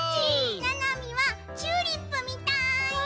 ななみはチューリップみたい！